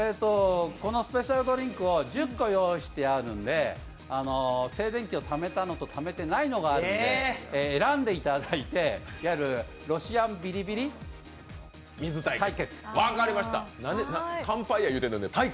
このスペシャルドリンクを１０個用意してあるんで静電気をためたのとためてないのがあるので選んでいただいて、いわゆるロシアンビリビリ水対決。